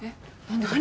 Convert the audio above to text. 何？